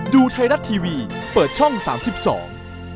ดูไทรัตทีวีเปิดช่อง๓๒